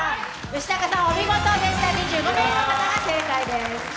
吉高さん、見事でした２５名の方が正解です。